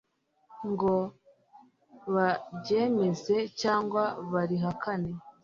ngo baryemeze cyangwa barihakane.